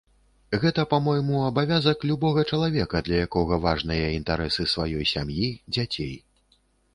Гэта, па-мойму, абавязак любога чалавека, для якога важныя інтарэсы сваёй сям'і, дзяцей.